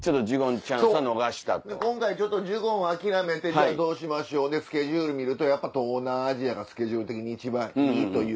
今回ジュゴンは諦めてじゃあどうしましょうでスケジュール見るとやっぱ東南アジアがスケジュール的に一番いいということで。